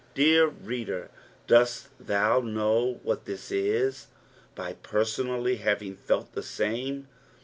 Dear reader, doBt thou know what this is, by personally having felt the same?